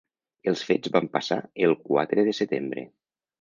Els fets van passar el quatre de setembre.